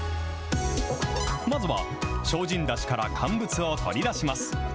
まずは、精進だしから乾物を取り出します。